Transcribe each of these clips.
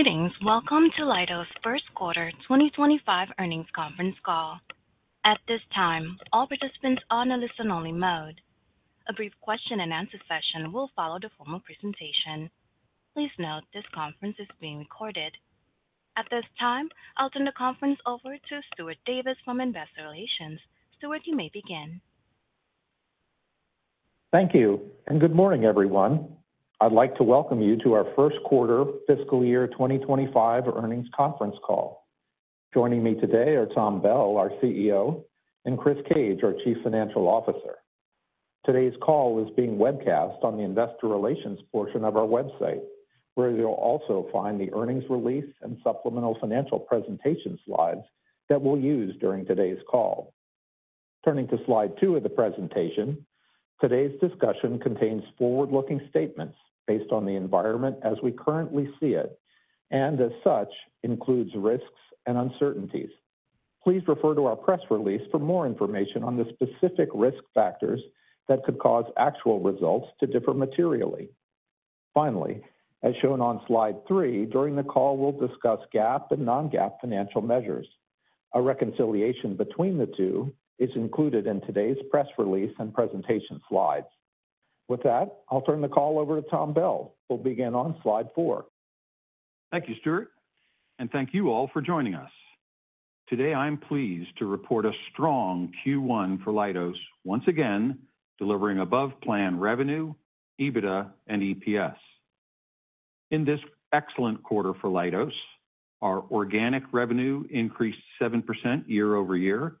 Greetings. Welcome to Leidos' first quarter 2025 earnings conference call. At this time, all participants are on a listen-only mode. A brief question-and-answer session will follow the formal presentation. Please note this conference is being recorded. At this time, I'll turn the conference over to Stuart Davis from Investor Relations. Stuart, you may begin. Thank you, and good morning, everyone. I'd like to welcome you to our first quarter fiscal year 2025 earnings conference call. Joining me today are Tom Bell, our CEO, and Chris Cage, our Chief Financial Officer. Today's call is being webcast on the Investor Relations portion of our website, where you'll also find the earnings release and supplemental financial presentation slides that we'll use during today's call. Turning to slide two of the presentation, today's discussion contains forward-looking statements based on the environment as we currently see it, and as such, includes risks and uncertainties. Please refer to our press release for more information on the specific risk factors that could cause actual results to differ materially. Finally, as shown on slide three, during the call, we'll discuss GAAP and non-GAAP financial measures. A reconciliation between the two is included in today's press release and presentation slides. With that, I'll turn the call over to Tom Bell, who will begin on slide four. Thank you, Stuart, and thank you all for joining us. Today, I'm pleased to report a strong Q1 for Leidos, once again delivering above-planned revenue, EBITDA, and EPS. In this excellent quarter for Leidos, our organic revenue increased 7% year-over-year,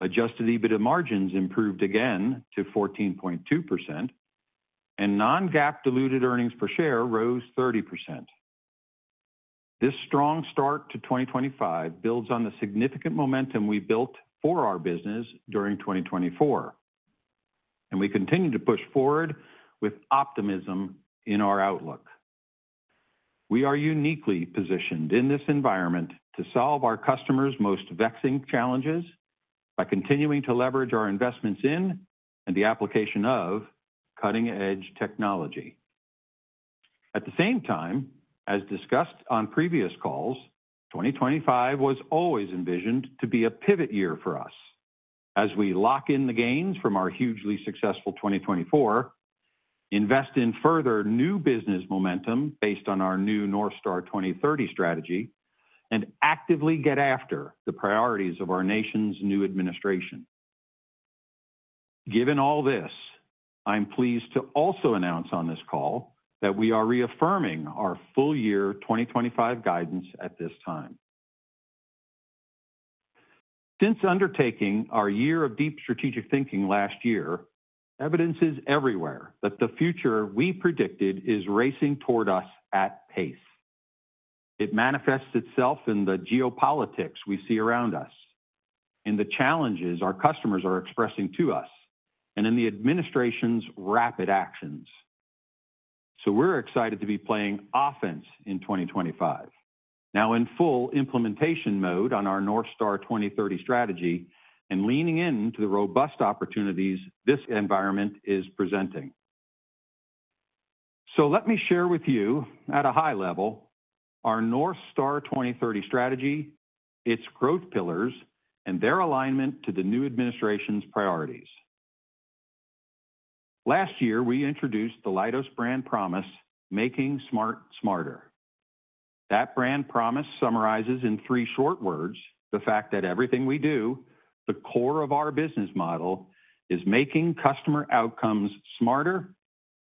adjusted EBITDA margins improved again to 14.2%, and non-GAAP diluted earnings per share rose 30%. This strong start to 2025 builds on the significant momentum we built for our business during 2024, and we continue to push forward with optimism in our outlook. We are uniquely positioned in this environment to solve our customers' most vexing challenges by continuing to leverage our investments in and the application of cutting-edge technology. At the same time, as discussed on previous calls, 2025 was always envisioned to be a pivot year for us. As we lock in the gains from our hugely successful 2024, invest in further new business momentum based on our new NorthStar 2030 strategy, and actively get after the priorities of our nation's new administration. Given all this, I'm pleased to also announce on this call that we are reaffirming our full-year 2025 guidance at this time. Since undertaking our year of deep strategic thinking last year, evidence is everywhere that the future we predicted is racing toward us at pace. It manifests itself in the geopolitics we see around us, in the challenges our customers are expressing to us, and in the administration's rapid actions. We are excited to be playing offense in 2025, now in full implementation mode on our NorthStar 2030 strategy and leaning into the robust opportunities this environment is presenting. Let me share with you at a high level our NorthStar 2030 strategy, its growth pillars, and their alignment to the new administration's priorities. Last year, we introduced the Leidos brand promise, "Making Smart Smarter." That brand promise summarizes in three short words the fact that everything we do, the core of our business model, is making customer outcomes smarter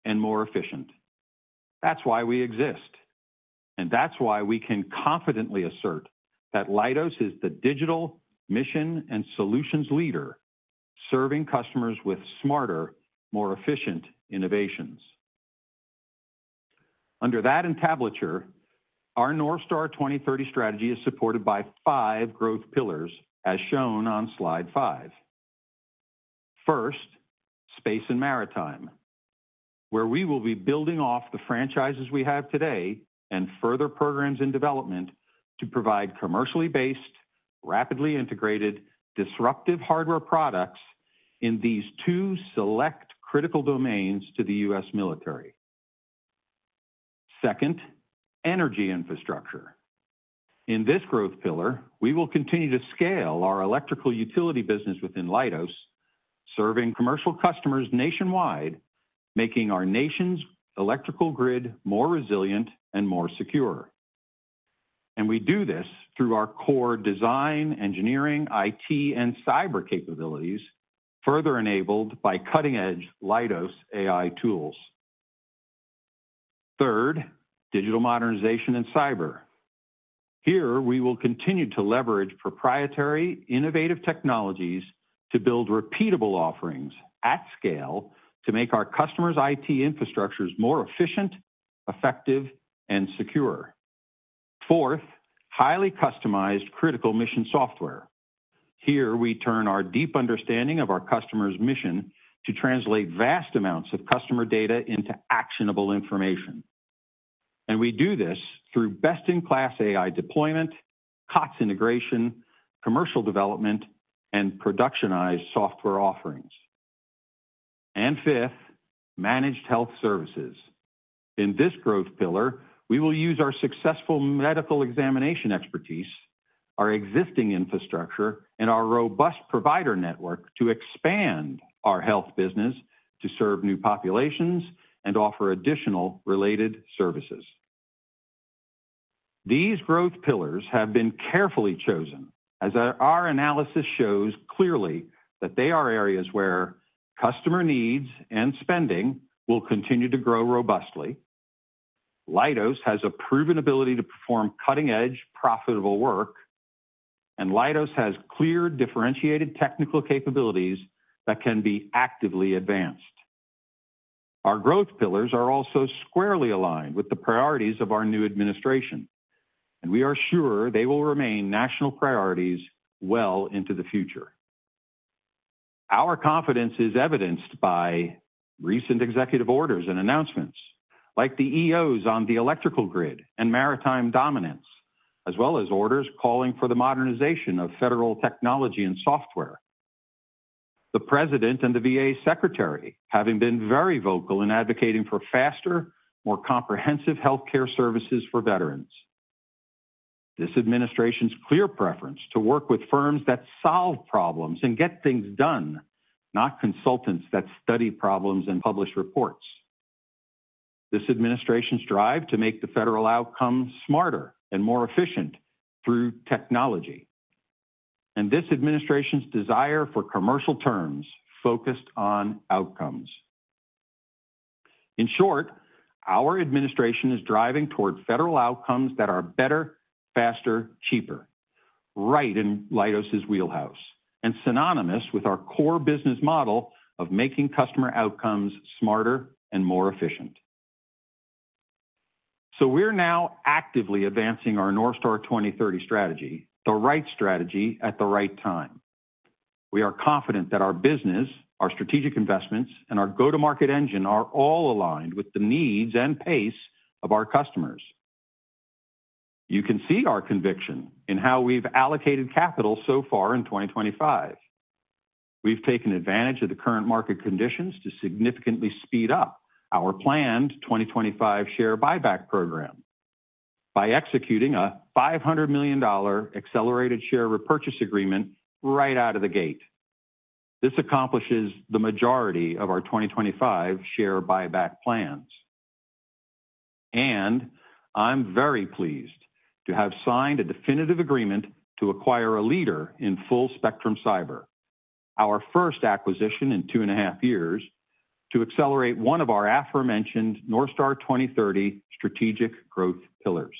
and more efficient. That's why we exist, and that's why we can confidently assert that Leidos is the digital mission and solutions leader, serving customers with smarter, more efficient innovations. Under that entablature, our NorthStar 2030 strategy is supported by five growth pillars, as shown on slide five. First, space and maritime, where we will be building off the franchises we have today and further programs in development to provide commercially based, rapidly integrated, disruptive hardware products in these two select critical domains to the U.S. military. Second, energy infrastructure. In this growth pillar, we will continue to scale our electrical utility business within Leidos, serving commercial customers nationwide, making our nation's electrical grid more resilient and more secure. We do this through our core design, engineering, IT, and cyber capabilities, further enabled by cutting-edge Leidos AI tools. Third, digital modernization and cyber. Here, we will continue to leverage proprietary, innovative technologies to build repeatable offerings at scale to make our customers' IT infrastructures more efficient, effective, and secure. Fourth, highly customized critical mission software. Here, we turn our deep understanding of our customers' mission to translate vast amounts of customer data into actionable information. We do this through best-in-class AI deployment, COTS integration, commercial development, and productionized software offerings. Fifth, managed health services. In this growth pillar, we will use our successful medical examination expertise, our existing infrastructure, and our robust provider network to expand our health business to serve new populations and offer additional related services. These growth pillars have been carefully chosen, as our analysis shows clearly that they are areas where customer needs and spending will continue to grow robustly. Leidos has a proven ability to perform cutting-edge, profitable work, and Leidos has clear, differentiated technical capabilities that can be actively advanced. Our growth pillars are also squarely aligned with the priorities of our new administration, and we are sure they will remain national priorities well into the future. Our confidence is evidenced by recent executive orders and announcements, like the EOs on the electrical grid and maritime dominance, as well as orders calling for the modernization of federal technology and software. The President and the VA Secretary have been very vocal in advocating for faster, more comprehensive healthcare services for veterans. This administration's clear preference is to work with firms that solve problems and get things done, not consultants that study problems and publish reports. This administration's drive is to make the federal outcomes smarter and more efficient through technology. This administration's desire is for commercial terms focused on outcomes. In short, our administration is driving toward federal outcomes that are better, faster, cheaper, right in Leidos' wheelhouse, and synonymous with our core business model of making customer outcomes smarter and more efficient. We are now actively advancing our NorthStar 2030 strategy, the right strategy at the right time. We are confident that our business, our strategic investments, and our go-to-market engine are all aligned with the needs and pace of our customers. You can see our conviction in how we've allocated capital so far in 2025. We've taken advantage of the current market conditions to significantly speed up our planned 2025 share buyback program by executing a $500 million accelerated share repurchase agreement right out of the gate. This accomplishes the majority of our 2025 share buyback plans. I am very pleased to have signed a definitive agreement to acquire a leader in full spectrum cyber, our first acquisition in two and a half years, to accelerate one of our aforementioned NorthStar 2030 strategic growth pillars.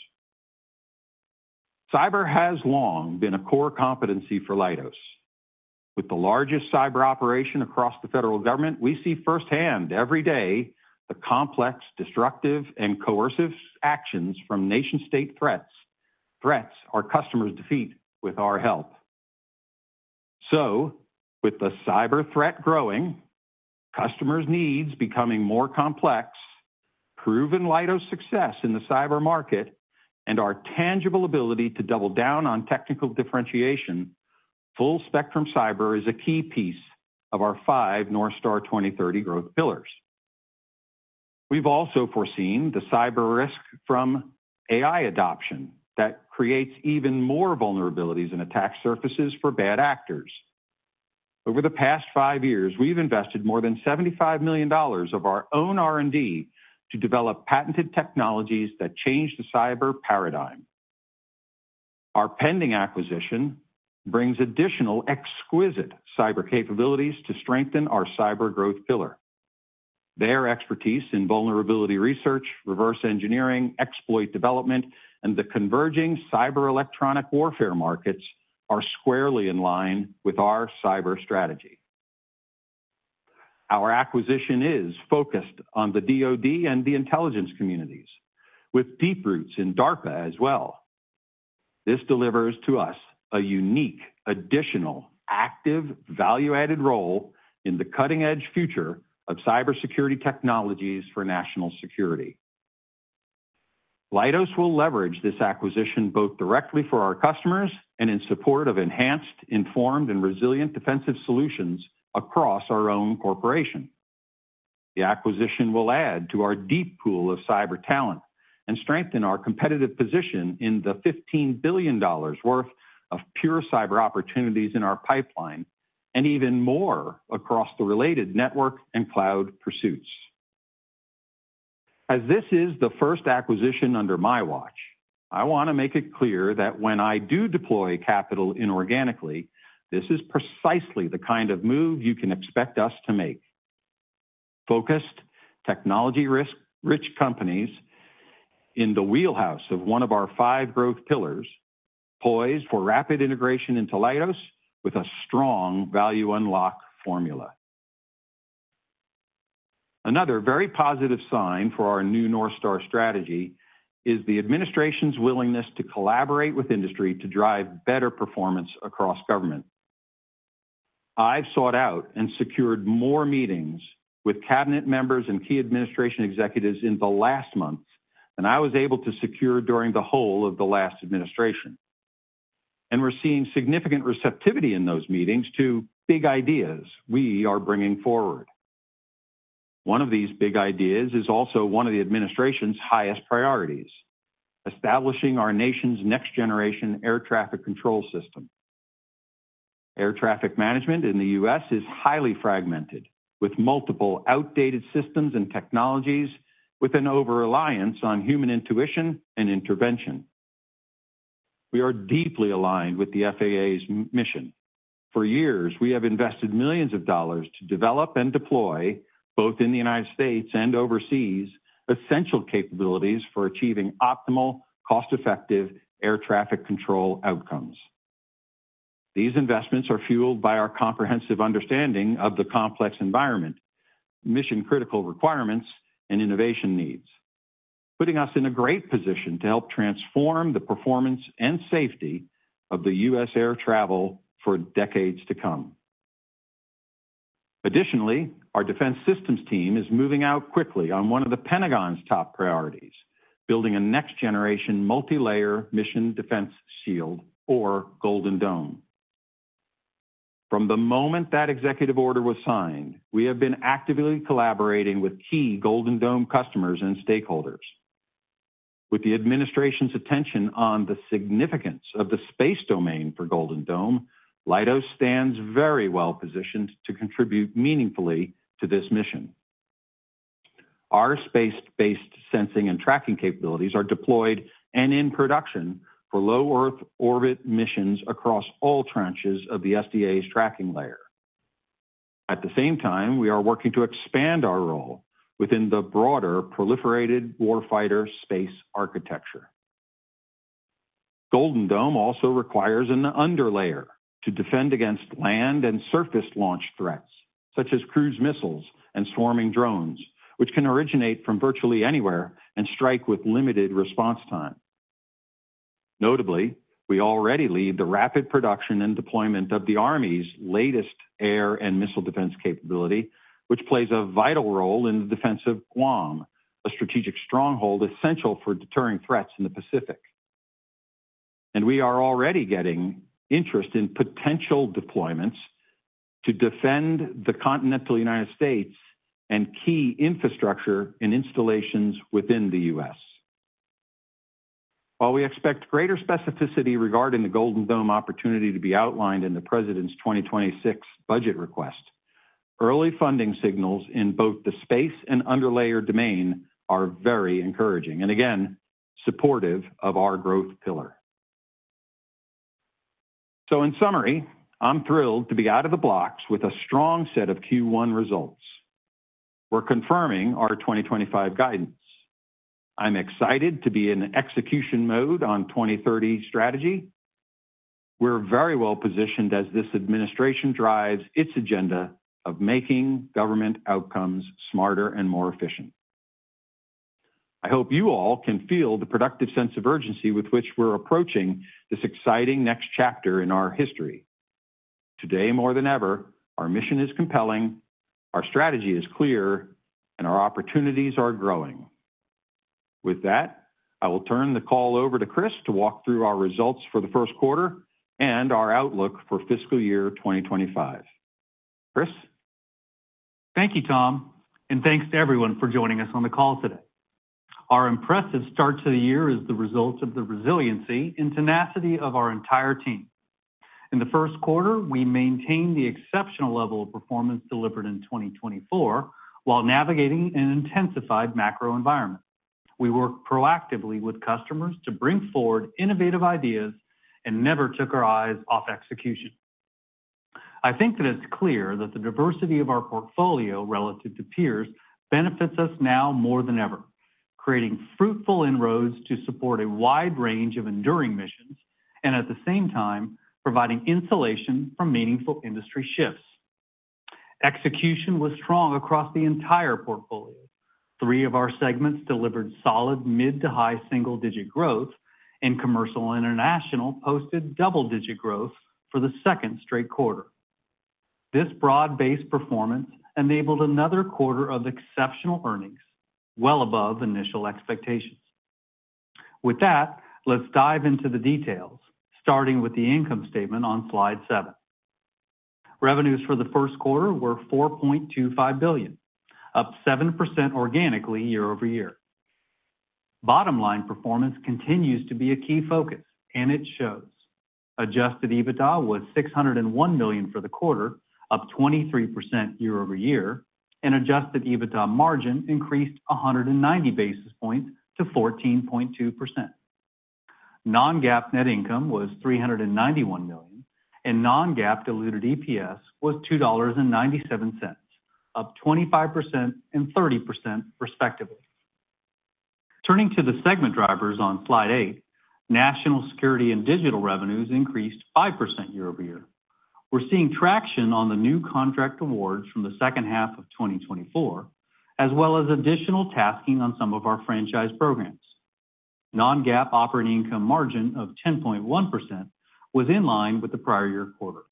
Cyber has long been a core competency for Leidos. With the largest cyber operation across the federal government, we see firsthand every day the complex, destructive, and coercive actions from nation-state threats. Threats our customers defeat with our help. With the cyber threat growing, customers' needs becoming more complex, proven Leidos' success in the cyber market, and our tangible ability to double down on technical differentiation, full spectrum cyber is a key piece of our five NorthStar 2030 growth pillars. We've also foreseen the cyber risk from AI adoption that creates even more vulnerabilities and attack surfaces for bad actors. Over the past five years, we've invested more than $75 million of our own R&D to develop patented technologies that change the cyber paradigm. Our pending acquisition brings additional exquisite cyber capabilities to strengthen our cyber growth pillar. Their expertise in vulnerability research, reverse engineering, exploit development, and the converging cyber electronic warfare markets are squarely in line with our cyber strategy. Our acquisition is focused on the DoD and the intelligence communities, with deep roots in DARPA as well. This delivers to us a unique, additional, active, value-added role in the cutting-edge future of cybersecurity technologies for national security. Leidos will leverage this acquisition both directly for our customers and in support of enhanced, informed, and resilient defensive solutions across our own corporation. The acquisition will add to our deep pool of cyber talent and strengthen our competitive position in the $15 billion worth of pure cyber opportunities in our pipeline, and even more across the related network and cloud pursuits. As this is the first acquisition under my watch, I want to make it clear that when I do deploy capital inorganically, this is precisely the kind of move you can expect us to make. Focused. Technology-rich companies in the wheelhouse of one of our five growth pillars poise for rapid integration into Leidos with a strong value unlock formula. Another very positive sign for our new NorthStar strategy is the administration's willingness to collaborate with industry to drive better performance across government. I've sought out and secured more meetings with cabinet members and key administration executives in the last month than I was able to secure during the whole of the last administration. We are seeing significant receptivity in those meetings to big ideas we are bringing forward. One of these big ideas is also one of the administration's highest priorities: establishing our nation's next-generation air traffic control system. Air traffic management in the U.S. is highly fragmented, with multiple outdated systems and technologies, with an over-reliance on human intuition and intervention. We are deeply aligned with the FAA's mission. For years, we have invested millions of dollars to develop and deploy, both in the United States and overseas, essential capabilities for achieving optimal, cost-effective air traffic control outcomes. These investments are fueled by our comprehensive understanding of the complex environment, mission-critical requirements, and innovation needs, putting us in a great position to help transform the performance and safety of U.S. air travel for decades to come. Additionally, our defense systems team is moving out quickly on one of the Pentagon's top priorities: building a next-generation multi-layer missile defense shield, or Golden Dome. From the moment that executive order was signed, we have been actively collaborating with key Golden Dome customers and stakeholders. With the administration's attention on the significance of the space domain for Golden Dome, Leidos stands very well positioned to contribute meaningfully to this mission. Our space-based sensing and tracking capabilities are deployed and in production for low Earth orbit missions across all tranches of the SDA's tracking layer. At the same time, we are working to expand our role within the broader proliferated warfighter space architecture. Golden Dome also requires an underlayer to defend against land and surface launch threats, such as cruise missiles and swarming drones, which can originate from virtually anywhere and strike with limited response time. Notably, we already lead the rapid production and deployment of the Army's latest air and missile defense capability, which plays a vital role in the defense of Guam, a strategic stronghold essential for deterring threats in the Pacific. We are already getting interest in potential deployments to defend the continental United States and key infrastructure and installations within the U.S. While we expect greater specificity regarding the Golden Dome opportunity to be outlined in the President's 2026 budget request, early funding signals in both the space and underlayer domain are very encouraging and, again, supportive of our growth pillar. In summary, I'm thrilled to be out of the box with a strong set of Q1 results. We're confirming our 2025 guidance. I'm excited to be in execution mode on 2030 strategy. We're very well positioned as this administration drives its agenda of making government outcomes smarter and more efficient. I hope you all can feel the productive sense of urgency with which we're approaching this exciting next chapter in our history. Today more than ever, our mission is compelling, our strategy is clear, and our opportunities are growing. With that, I will turn the call over to Chris to walk through our results for the first quarter and our outlook for fiscal year 2025. Chris? Thank you, Tom, and thanks to everyone for joining us on the call today. Our impressive start to the year is the result of the resiliency and tenacity of our entire team. In the first quarter, we maintained the exceptional level of performance delivered in 2024 while navigating an intensified macro environment. We worked proactively with customers to bring forward innovative ideas and never took our eyes off execution. I think that it's clear that the diversity of our portfolio relative to peers benefits us now more than ever, creating fruitful inroads to support a wide range of enduring missions and, at the same time, providing insulation from meaningful industry shifts. Execution was strong across the entire portfolio. Three of our segments delivered solid mid to high single-digit growth, and commercial and international posted double-digit growth for the second straight quarter. This broad-based performance enabled another quarter of exceptional earnings, well above initial expectations. With that, let's dive into the details, starting with the income statement on slide seven. Revenues for the first quarter were $4.25 billion, up 7% organically year-over-year. Bottom line performance continues to be a key focus, and it shows. Adjusted EBITDA was $601 million for the quarter, up 23% year-over-year, and adjusted EBITDA margin increased 190 basis points to 14.2%. Non-GAAP net income was $391 million, and non-GAAP diluted EPS was $2.97, up 25% and 30% respectively. Turning to the segment drivers on slide eight, national security and digital revenues increased 5% year-over-year. We're seeing traction on the new contract awards from the second half of 2024, as well as additional tasking on some of our franchise programs. Non-GAAP operating income margin of 10.1% was in line with the prior year quarter.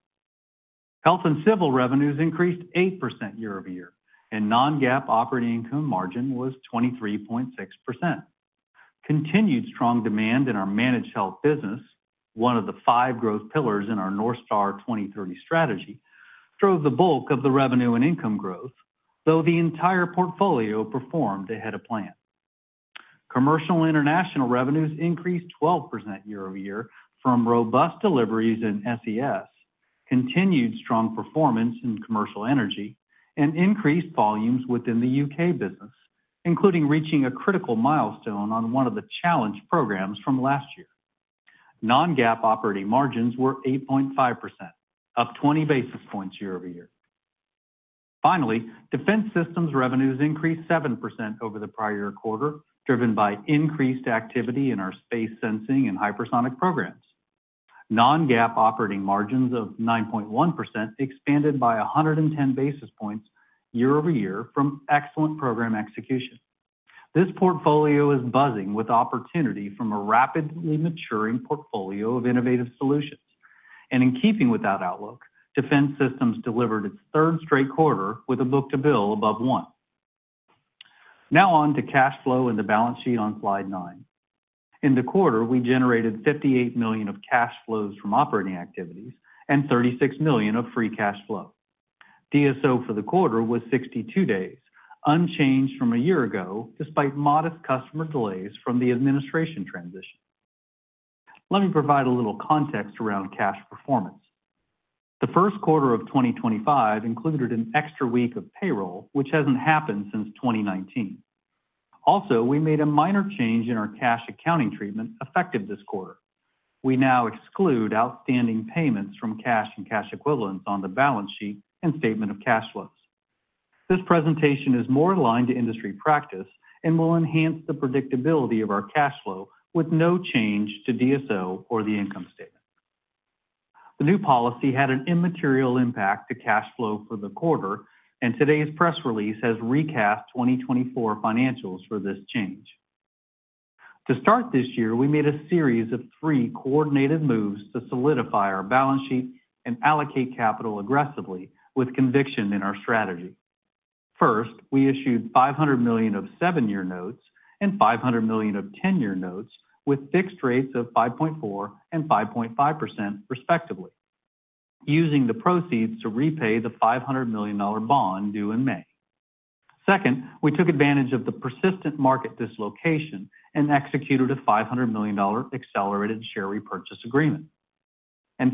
Health and civil revenues increased 8% year-over-year, and non-GAAP operating income margin was 23.6%. Continued strong demand in our managed health business, one of the five growth pillars in our NorthStar 2030 strategy, drove the bulk of the revenue and income growth, though the entire portfolio performed ahead of plan. Commercial and international revenues increased 12% year-over-year from robust deliveries in SES, continued strong performance in commercial energy, and increased volumes within the U.K. business, including reaching a critical milestone on one of the challenge programs from last year. Non-GAAP operating margins were 8.5%, up 20 basis points year-over-year. Finally, defense systems revenues increased 7% over the prior year quarter, driven by increased activity in our space sensing and hypersonic programs. Non-GAAP operating margins of 9.1% expanded by 110 basis points year-over-year from excellent program execution. This portfolio is buzzing with opportunity from a rapidly maturing portfolio of innovative solutions. In keeping with that outlook, defense systems delivered its third straight quarter with a book to bill above one. Now on to cash flow and the balance sheet on slide nine. In the quarter, we generated $58 million of cash flows from operating activities and $36 million of free cash flow. DSO for the quarter was 62 days, unchanged from a year ago despite modest customer delays from the administration transition. Let me provide a little context around cash performance. The first quarter of 2025 included an extra week of payroll, which hasn't happened since 2019. Also, we made a minor change in our cash accounting treatment effective this quarter. We now exclude outstanding payments from cash and cash equivalents on the balance sheet and statement of cash flows. This presentation is more aligned to industry practice and will enhance the predictability of our cash flow with no change to DSO or the income statement. The new policy had an immaterial impact to cash flow for the quarter, and today's press release has recast 2024 financials for this change. To start this year, we made a series of three coordinated moves to solidify our balance sheet and allocate capital aggressively with conviction in our strategy. First, we issued $500 million of seven-year notes and $500 million of ten-year notes with fixed rates of 5.4% and 5.5% respectively, using the proceeds to repay the $500 million bond due in May. Second, we took advantage of the persistent market dislocation and executed a $500 million accelerated share repurchase agreement.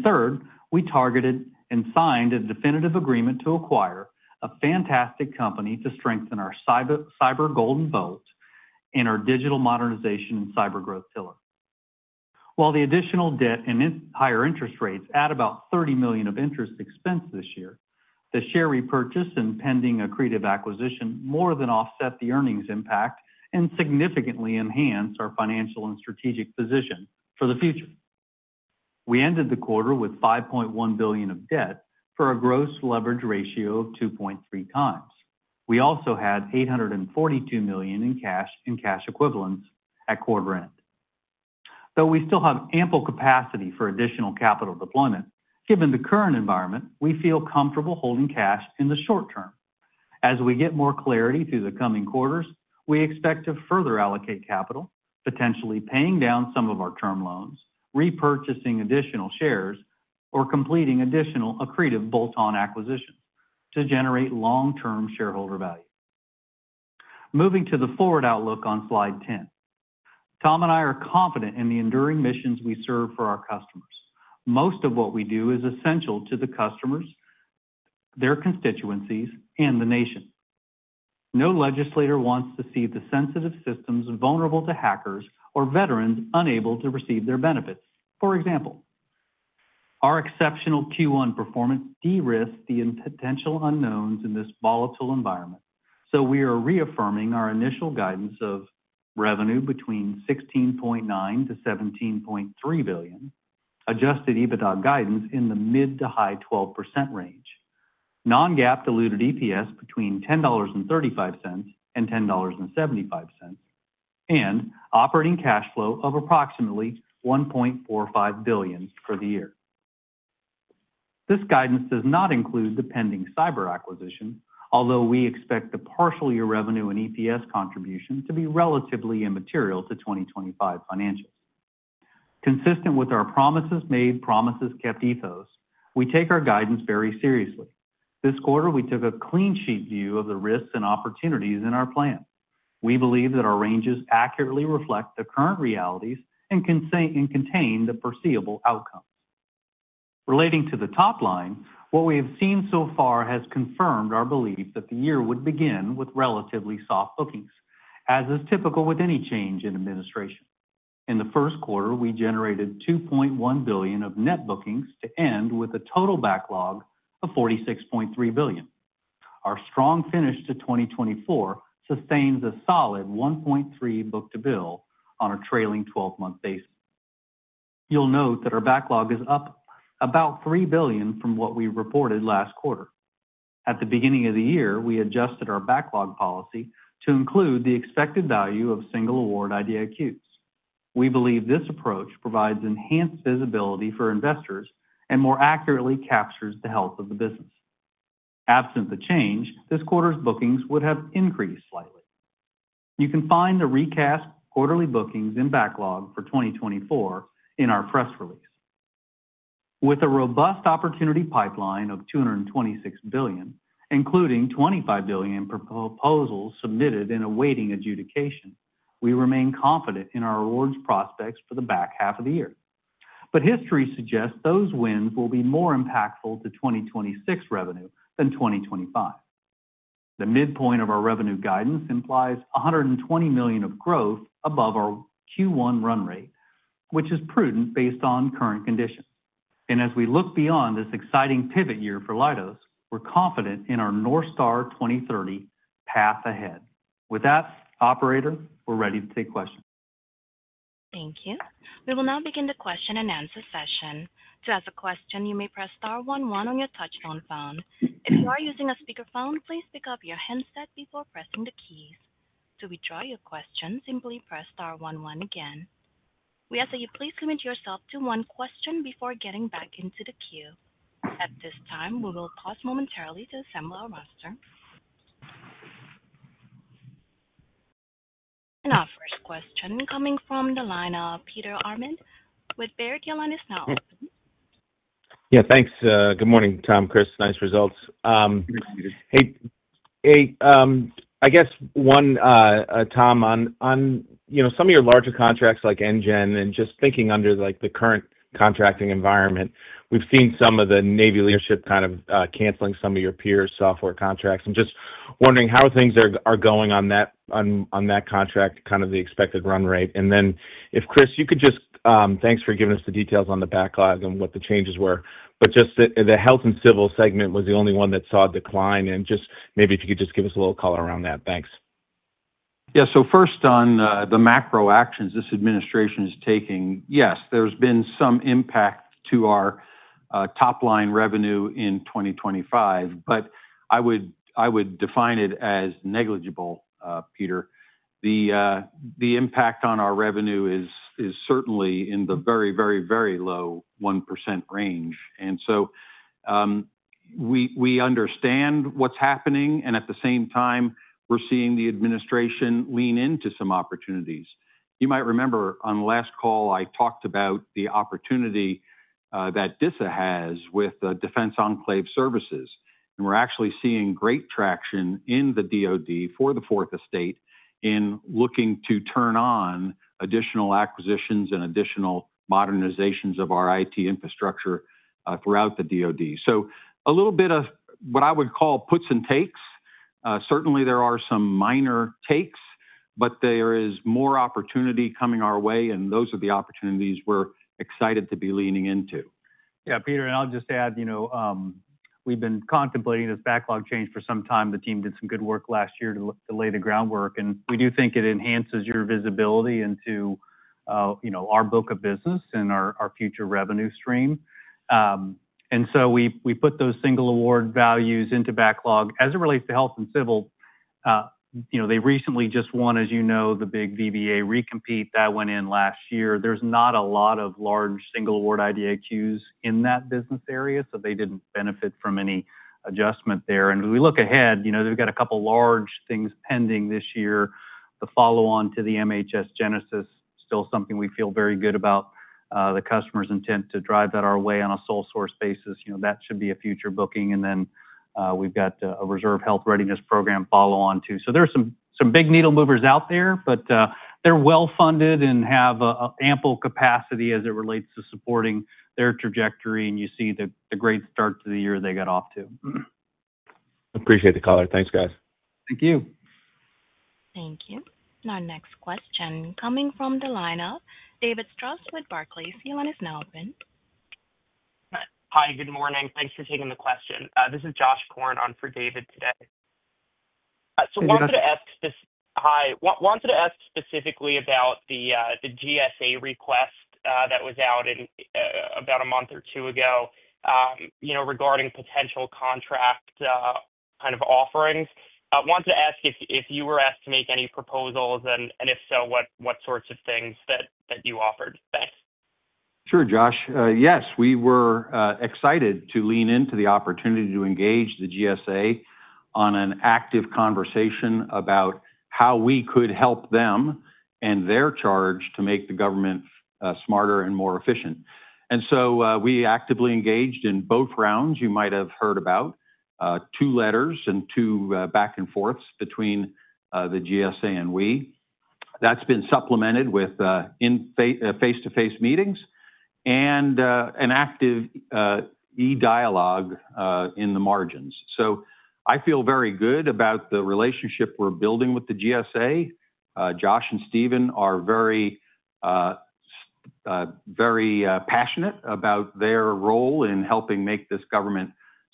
Third, we targeted and signed a definitive agreement to acquire a fantastic company to strengthen our cyber golden boat and our digital modernization and cyber growth pillar. While the additional debt and higher interest rates add about $30 million of interest expense this year, the share repurchase and pending accretive acquisition more than offset the earnings impact and significantly enhance our financial and strategic position for the future. We ended the quarter with $5.1 billion of debt for a gross leverage ratio of 2.3x. We also had $842 million in cash and cash equivalents at quarter end. Though we still have ample capacity for additional capital deployment, given the current environment, we feel comfortable holding cash in the short term. As we get more clarity through the coming quarters, we expect to further allocate capital, potentially paying down some of our term loans, repurchasing additional shares, or completing additional accretive bolt-on acquisitions to generate long-term shareholder value. Moving to the forward outlook on slide 10, Tom and I are confident in the enduring missions we serve for our customers. Most of what we do is essential to the customers, their constituencies, and the nation. No legislator wants to see the sensitive systems vulnerable to hackers or veterans unable to receive their benefits. For example, our exceptional Q1 performance de-risked the potential unknowns in this volatile environment. We are reaffirming our initial guidance of revenue between $16.9 billion-$17.3 billion, adjusted EBITDA guidance in the mid to high 12% range, non-GAAP diluted EPS between $10.35 and $10.75, and operating cash flow of approximately $1.45 billion for the year. This guidance does not include the pending cyber acquisition, although we expect the partial year revenue and EPS contribution to be relatively immaterial to 2025 financials. Consistent with our promises made, promises kept, ethos, we take our guidance very seriously. This quarter, we took a clean sheet view of the risks and opportunities in our plan. We believe that our ranges accurately reflect the current realities and contain the foreseeable outcomes. Relating to the top line, what we have seen so far has confirmed our belief that the year would begin with relatively soft bookings, as is typical with any change in administration. In the first quarter, we generated $2.1 billion of net bookings to end with a total backlog of $46.3 billion. Our strong finish to 2024 sustains a solid 1.3 book to bill on a trailing 12-month basis. You'll note that our backlog is up about $3 billion from what we reported last quarter. At the beginning of the year, we adjusted our backlog policy to include the expected value of single award IDIQs. We believe this approach provides enhanced visibility for investors and more accurately captures the health of the business. Absent the change, this quarter's bookings would have increased slightly. You can find the recast quarterly bookings and backlog for 2024 in our press release. With a robust opportunity pipeline of $226 billion, including $25 billion proposals submitted and awaiting adjudication, we remain confident in our awards prospects for the back half of the year. History suggests those wins will be more impactful to 2026 revenue than 2025. The midpoint of our revenue guidance implies $120 million of growth above our Q1 run rate, which is prudent based on current conditions. As we look beyond this exciting pivot year for Leidos, we're confident in our NorthStar 2030 path ahead. With that, Operator, we're ready to take questions. Thank you. We will now begin the question and answer session. To ask a question, you may press star one one on your touch-tone phone. If you are using a speakerphone, please pick up your handset before pressing the keys. To withdraw your question, simply press star one one again. We ask that you please commit yourself to one question before getting back into the queue. At this time, we will pause momentarily to assemble our roster. Our first question coming from the line of Peter Arment with Baird, your line is now open. Yeah, thanks. Good morning, Tom, Chris. Nice results. Hey, I guess one, Tom, on some of your larger contracts like NGEN and just thinking under the current contracting environment, we've seen some of the Navy leadership kind of canceling some of your peer software contracts and just wondering how things are going on that contract, kind of the expected run rate. If Chris, you could just thanks for giving us the details on the backlog and what the changes were, but just the health and civil segment was the only one that saw a decline. Maybe if you could just give us a little color around that. Thanks. Yeah, first on the macro actions this administration is taking, yes, there's been some impact to our top line revenue in 2025, but I would define it as negligible, Peter. The impact on our revenue is certainly in the very, very, very low 1% range. We understand what's happening, and at the same time, we're seeing the administration lean into some opportunities. You might remember on the last call, I talked about the opportunity that DISA has with Defense Enclave Services. We're actually seeing great traction in the DoD for the fourth estate in looking to turn on additional acquisitions and additional modernizations of our IT infrastructure throughout the DoD. A little bit of what I would call puts and takes. Certainly, there are some minor takes, but there is more opportunity coming our way, and those are the opportunities we're excited to be leaning into. Yeah, Peter, and I'll just add, you know we've been contemplating this backlog change for some time. The team did some good work last year to lay the groundwork, and we do think it enhances your visibility into our book of business and our future revenue stream. We put those single award values into backlog. As it relates to health and civil, they recently just won, as you know, the big VBA recompete that went in last year. There's not a lot of large single award IDIQs in that business area, so they didn't benefit from any adjustment there. As we look ahead, we've got a couple of large things pending this year. The follow-on to the MHS Genesis, still something we feel very good about, the customer's intent to drive that our way on a sole source basis. That should be a future booking. We've got a reserve health readiness program follow-on too. There are some big needle movers out there, but they're well funded and have ample capacity as it relates to supporting their trajectory, and you see the great start to the year they got off to. Appreciate the color. Thanks, guys. Thank you. Thank you. Next question coming from the line of David Strauss with Barclays. Your line is now open. Hi, good morning. Thanks for taking the question. This is Josh Korn on for David today. Wanted to ask specifically about the GSA request that was out about a month or two ago regarding potential contract kind of offerings. I wanted to ask if you were asked to make any proposals and if so, what sorts of things that you offered. Thanks. Sure, Josh. Yes, we were excited to lean into the opportunity to engage the GSA on an active conversation about how we could help them and their charge to make the government smarter and more efficient. We actively engaged in both rounds. You might have heard about two letters and two back and forths between the GSA and we. That has been supplemented with face-to-face meetings and an active e-dialogue in the margins. I feel very good about the relationship we are building with the GSA. Josh and Steven are very passionate about their role in helping make this government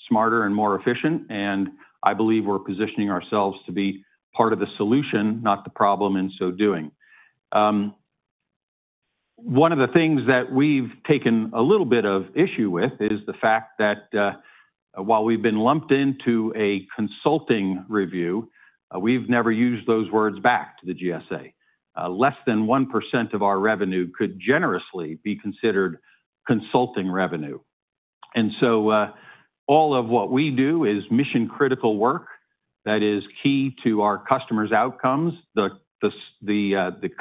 smarter and more efficient. I believe we are positioning ourselves to be part of the solution, not the problem, in so doing. One of the things that we've taken a little bit of issue with is the fact that while we've been lumped into a consulting review, we've never used those words back to the GSA. Less than 1% of our revenue could generously be considered consulting revenue. All of what we do is mission-critical work that is key to our customers' outcomes, the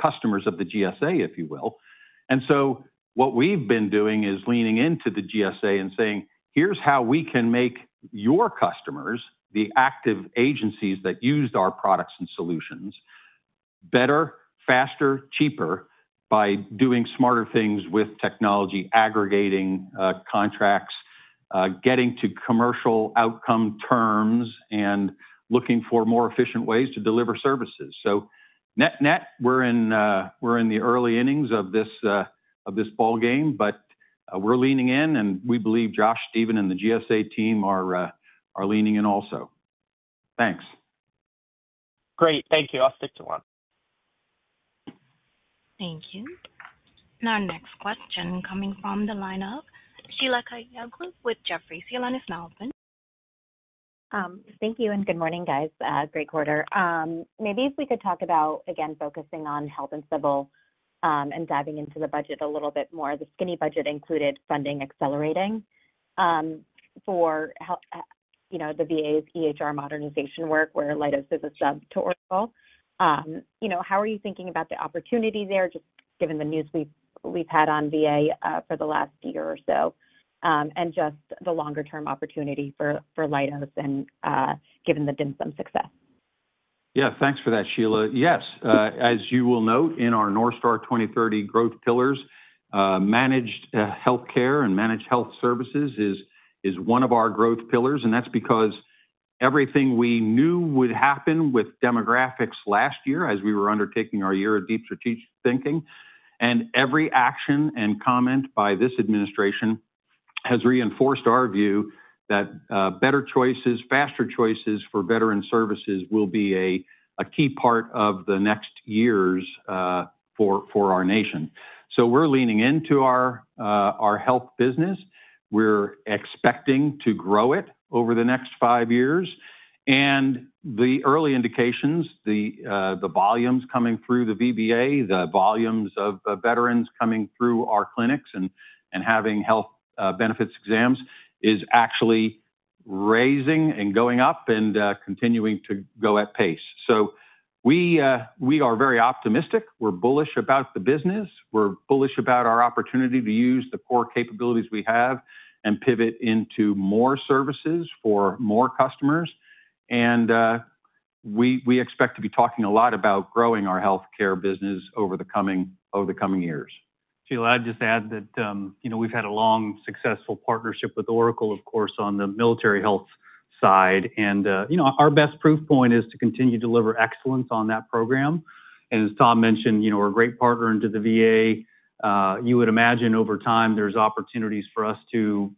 customers of the GSA, if you will. What we've been doing is leaning into the GSA and saying, "Here's how we can make your customers, the active agencies that used our products and solutions, better, faster, cheaper by doing smarter things with technology, aggregating contracts, getting to commercial outcome terms, and looking for more efficient ways to deliver services." Net-net, we're in the early innings of this ballgame, but we're leaning in, and we believe Josh, Steven, and the GSA team are leaning in also. Thanks. Great. Thank you. I'll stick to one. Thank you. Now, next question coming from the line of Sheila Kahyaoglu with Jefferies. Sheila is now open. Thank you. And good morning, guys. Great quarter. Maybe if we could talk about, again, focusing on health and civil and diving into the budget a little bit more. The skinny budget included funding accelerating for the VA's EHR modernization work, where Leidos is a sub to Oracle. How are you thinking about the opportunity there, just given the news we've had on VA for the last year or so, and just the longer-term opportunity for Leidos and given that it's been some success? Yeah, thanks for that, Sheila. Yes, as you will note, in our NorthStar 2030 growth pillars, managed healthcare and managed health services is one of our growth pillars. That's because everything we knew would happen with demographics last year as we were undertaking our year of deep strategic thinking. Every action and comment by this administration has reinforced our view that better choices, faster choices for veteran services will be a key part of the next years for our nation. We are leaning into our health business. We're expecting to grow it over the next five years. The early indications, the volumes coming through the VBA, the volumes of veterans coming through our clinics and having health benefits exams is actually raising and going up and continuing to go at pace. We are very optimistic. We're bullish about the business. We're bullish about our opportunity to use the core capabilities we have and pivot into more services for more customers. We expect to be talking a lot about growing our healthcare business over the coming years. Sheila, I'd just add that we've had a long, successful partnership with Oracle, of course, on the military health side. Our best proof point is to continue to deliver excellence on that program. As Tom mentioned, we're a great partner into the VA. You would imagine over time, there's opportunities for us to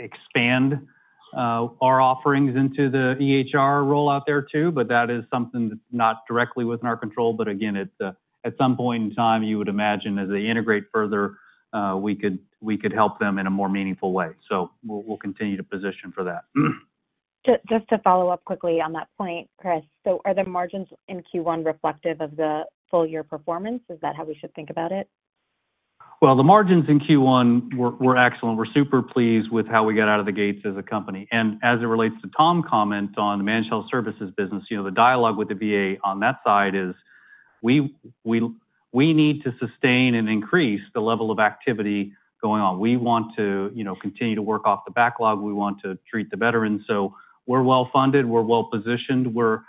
expand our offerings into the EHR rollout there too, but that is something that's not directly within our control. Again, at some point in time, you would imagine as they integrate further, we could help them in a more meaningful way. We will continue to position for that. Just to follow up quickly on that point, Chris, are the margins in Q1 reflective of the full-year performance? Is that how we should think about it? The margins in Q1 were excellent. We're super pleased with how we got out of the gates as a company. As it relates to Tom's comment on the managed health services business, the dialogue with the VA on that side is we need to sustain and increase the level of activity going on. We want to continue to work off the backlog. We want to treat the veterans. We are well funded. We are well positioned. We are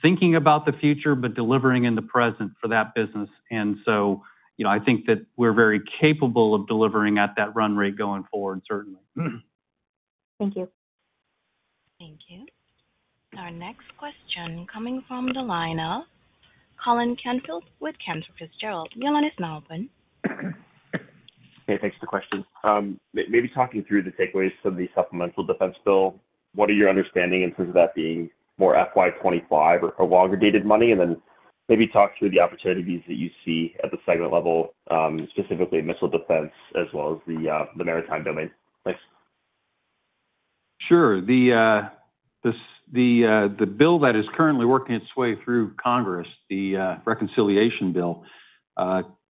thinking about the future, but delivering in the present for that business. I think that we are very capable of delivering at that run rate going forward, certainly. Thank you. Thank you. Our next question coming from the line of Colin Canfield with Cantor Fitzgerald. Your line is now open. Hey, thanks for the question. Maybe talking through the takeaways from the supplemental defense bill. What are your understanding in terms of that being more FY 2025 or longer dated money? Maybe talk through the opportunities that you see at the segment level, specifically missile defense as well as the maritime domain. Thanks. Sure. The bill that is currently working its way through Congress, the reconciliation bill,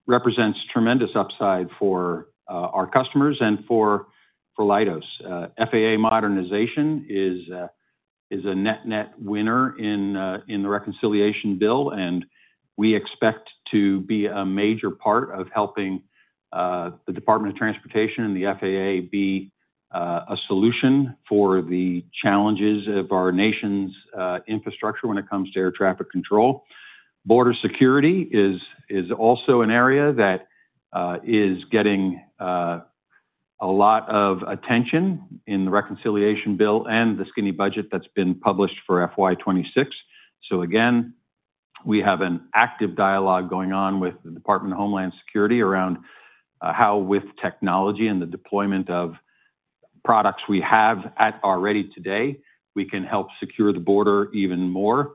represents tremendous upside for our customers and for Leidos. FAA modernization is a net-net winner in the reconciliation bill. We expect to be a major part of helping the Department of Transportation and the FAA be a solution for the challenges of our nation's infrastructure when it comes to air traffic control. Border security is also an area that is getting a lot of attention in the reconciliation bill and the skinny budget that has been published for FY 2026. We have an active dialogue going on with the Department of Homeland Security around how with technology and the deployment of products we have already today, we can help secure the border even more.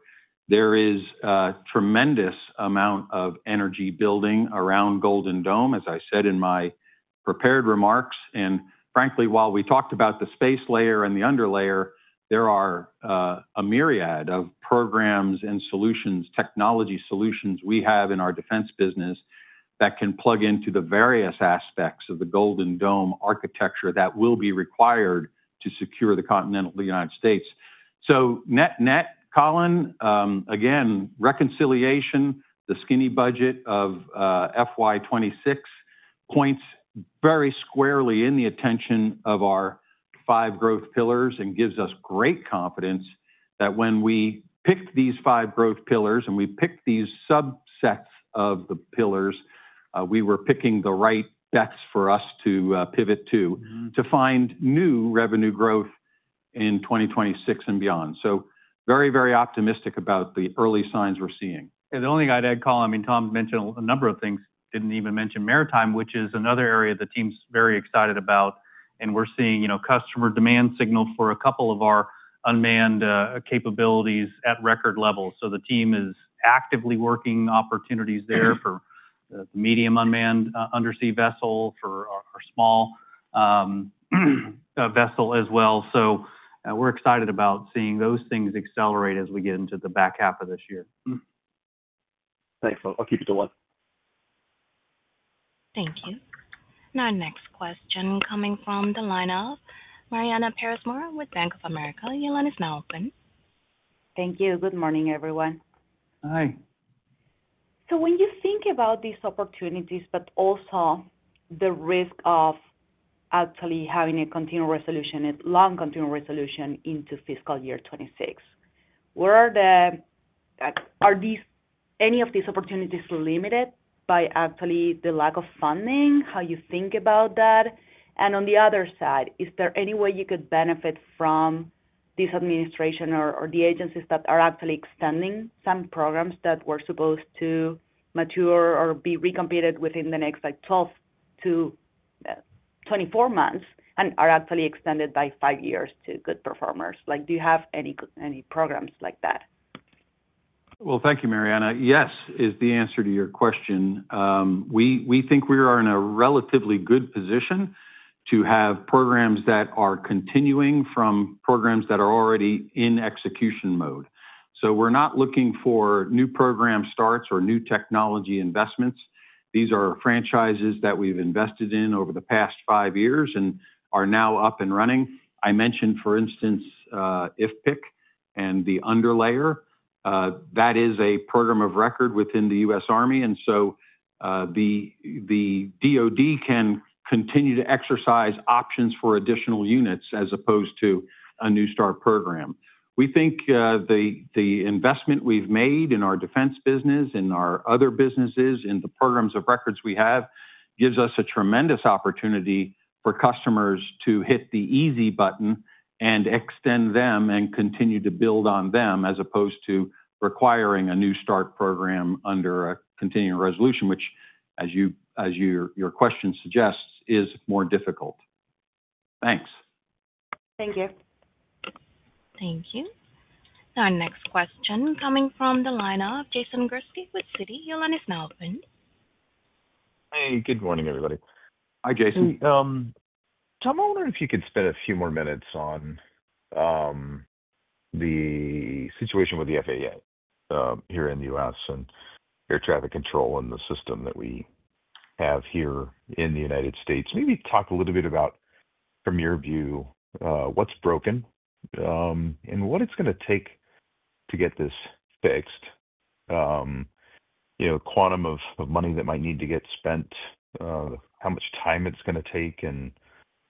There is a tremendous amount of energy building around Golden Dome, as I said in my prepared remarks. Frankly, while we talked about the space layer and the underlayer, there are a myriad of programs and solutions, technology solutions we have in our defense business that can plug into the various aspects of the Golden Dome architecture that will be required to secure the continental United States. Net-net, Colin, again, reconciliation, the skinny budget of FY 2026 points very squarely in the attention of our five growth pillars and gives us great confidence that when we picked these five growth pillars and we picked these subsets of the pillars, we were picking the right bets for us to pivot to, to find new revenue growth in 2026 and beyond. Very, very optimistic about the early signs we're seeing. The only thing I'd add, Colin, I mean, Tom mentioned a number of things, didn't even mention maritime, which is another area the team's very excited about. We're seeing customer demand signal for a couple of our unmanned capabilities at record levels. The team is actively working opportunities there for the medium unmanned undersea vessel, for our small vessel as well. We're excited about seeing those things accelerate as we get into the back half of this year. Thanks. I'll keep it to one. Thank you. Next question coming from the line of Mariana Perez Mora with Bank of America. Your line is now open. Thank you. Good morning, everyone. Hi. When you think about these opportunities, but also the risk of actually having a continual resolution, a long continual resolution into fiscal year 2026, are any of these opportunities limited by actually the lack of funding? How do you think about that? On the other side, is there any way you could benefit from this administration or the agencies that are actually extending some programs that were supposed to mature or be recommitted within the next 12 to 24 months and are actually extended by five years to good performers? Do you have any programs like that? Thank you, Mariana. Yes, is the answer to your question. We think we are in a relatively good position to have programs that are continuing from programs that are already in execution mode. We are not looking for new program starts or new technology investments. These are franchises that we've invested in over the past five years and are now up and running. I mentioned, for instance, IFPC and the underlayer. That is a program of record within the U.S. Army. The DoD can continue to exercise options for additional units as opposed to a new start program. We think the investment we've made in our defense business, in our other businesses, in the programs of records we have, gives us a tremendous opportunity for customers to hit the easy button and extend them and continue to build on them as opposed to requiring a new start program under a continuing resolution, which, as your question suggests, is more difficult. Thanks. Thank you. Thank you. Now, next question coming from the line of Jason Gursky with Citi. Your line is now open. Hey, good morning, everybody. Hi, Jason. Tom, I wonder if you could spend a few more minutes on the situation with the FAA here in the U.S. and air traffic control and the system that we have here in the United States. Maybe talk a little bit about, from your view, what's broken and what it's going to take to get this fixed, the quantum of money that might need to get spent, how much time it's going to take, and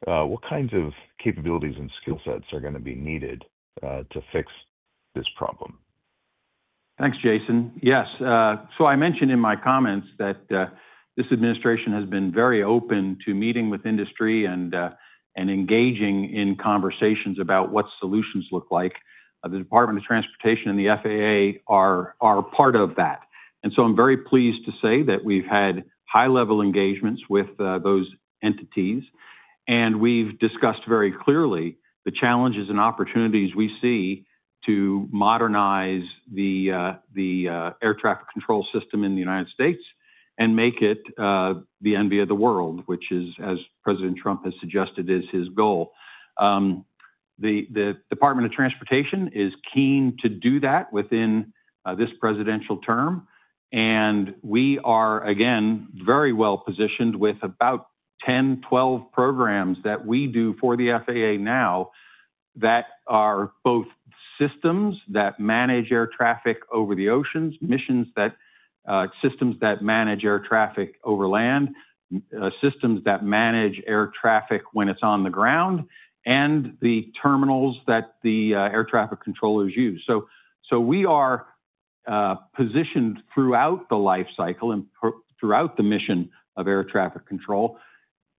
what kinds of capabilities and skill sets are going to be needed to fix this problem. Thanks, Jason. Yes. I mentioned in my comments that this administration has been very open to meeting with industry and engaging in conversations about what solutions look like. The Department of Transportation and the FAA are part of that. I am very pleased to say that we've had high-level engagements with those entities. We've discussed very clearly the challenges and opportunities we see to modernize the air traffic control system in the United States and make it the envy of the world, which is, as President Trump has suggested, his goal. The Department of Transportation is keen to do that within this presidential term. We are, again, very well positioned with about 10, 12 programs that we do for the FAA now that are both systems that manage air traffic over the oceans, systems that manage air traffic over land, systems that manage air traffic when it's on the ground, and the terminals that the air traffic controllers use. We are positioned throughout the lifecycle and throughout the mission of air traffic control,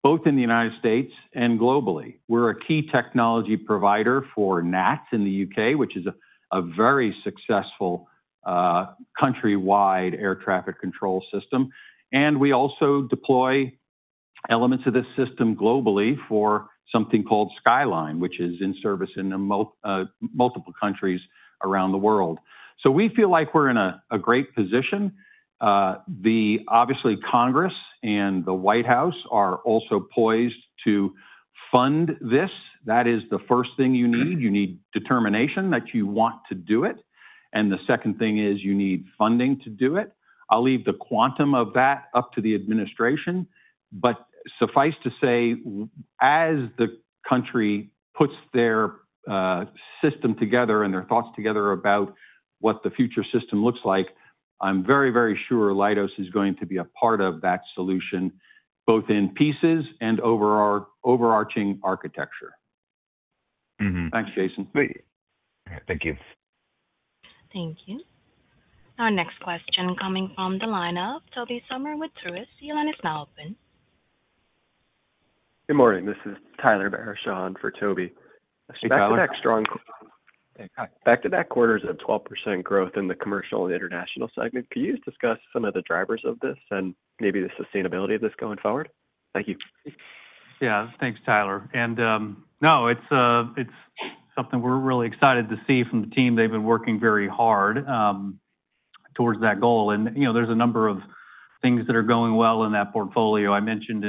both in the United States and globally. We are a key technology provider for NATS in the U.K., which is a very successful countrywide air traffic control system. We also deploy elements of this system globally for something called SkyLine, which is in service in multiple countries around the world. We feel like we're in a great position. Obviously, Congress and the White House are also poised to fund this. That is the first thing you need. You need determination that you want to do it. The second thing is you need funding to do it. I'll leave the quantum of that up to the administration. Suffice to say, as the country puts their system together and their thoughts together about what the future system looks like, I'm very, very sure Leidos is going to be a part of that solution, both in pieces and overarching architecture. Thanks, Jason. Thank you. Thank you. Our next question coming from the line of Tobey Sommer with Truist. Your line is now open. Good morning. This is Tyler Barishaw for Tobey. Back to that quarter's at 12% growth in the commercial and international segment. Could you discuss some of the drivers of this and maybe the sustainability of this going forward? Thank you. Yeah. Thanks, Tyler. No, it's something we're really excited to see from the team. They've been working very hard towards that goal. There's a number of things that are going well in that portfolio. I mentioned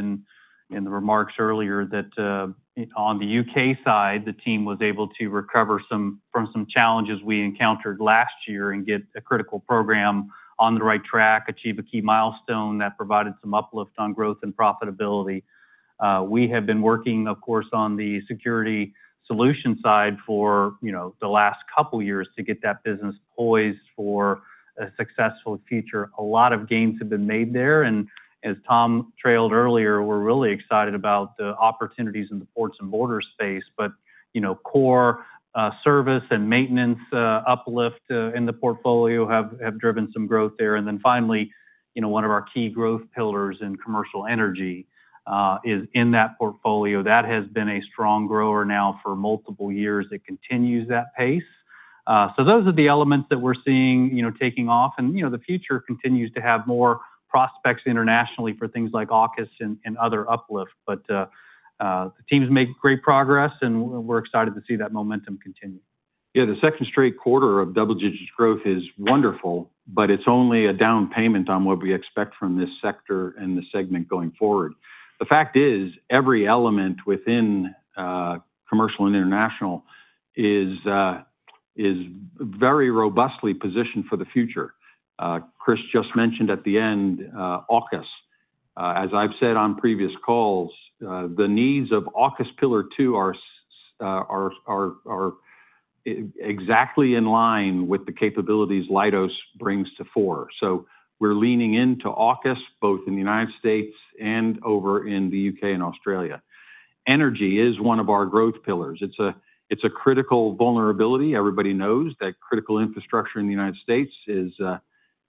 in the remarks earlier that on the U.K. side, the team was able to recover from some challenges we encountered last year and get a critical program on the right track, achieve a key milestone that provided some uplift on growth and profitability. We have been working, of course, on the security solution side for the last couple of years to get that business poised for a successful future. A lot of gains have been made there. As Tom trailed earlier, we're really excited about the opportunities in the ports and border space. Core service and maintenance uplift in the portfolio have driven some growth there. Finally, one of our key growth pillars in commercial energy is in that portfolio. That has been a strong grower now for multiple years. It continues that pace. Those are the elements that we're seeing taking off. The future continues to have more prospects internationally for things like AUKUS and other uplift. The teams make great progress, and we're excited to see that momentum continue. Yeah. The second straight quarter of double-digit growth is wonderful, but it's only a down payment on what we expect from this sector and the segment going forward. The fact is, every element within commercial and international is very robustly positioned for the future. Chris just mentioned at the end, AUKUS. As I've said on previous calls, the needs of AUKUS Pillar 2 are exactly in line with the capabilities Leidos brings to fore. We're leaning into AUKUS both in the United States and over in the U.K. and Australia. Energy is one of our growth pillars. It's a critical vulnerability. Everybody knows that critical infrastructure in the United States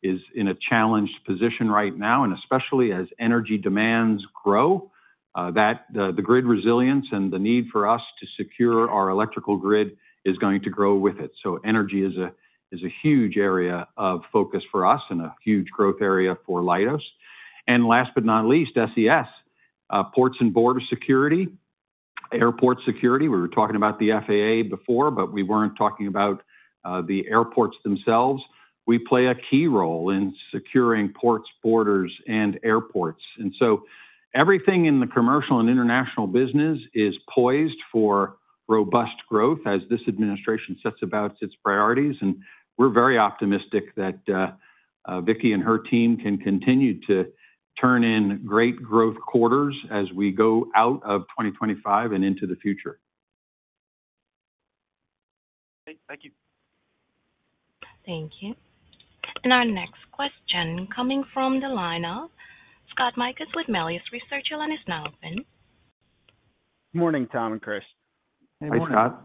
is in a challenged position right now, and especially as energy demands grow, the grid resilience and the need for us to secure our electrical grid is going to grow with it. Energy is a huge area of focus for us and a huge growth area for Leidos. Last but not least, SES, ports and border security, airport security. We were talking about the FAA before, but we weren't talking about the airports themselves. We play a key role in securing ports, borders, and airports. Everything in the commercial and international business is poised for robust growth as this administration sets about its priorities. We are very optimistic that Vicky and her team can continue to turn in great growth quarters as we go out of 2025 and into the future. Thank you. Thank you. Our next question coming from the line of Scott Mikus with Melius Research. Your line is now open. Good morning, Tom and Chris. Hey, Scott.